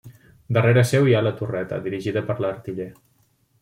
Darrere seu hi ha la torreta, dirigida per l'artiller.